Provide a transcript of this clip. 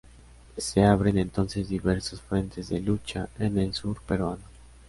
Se abren entonces diversos frentes de lucha en el sur peruano.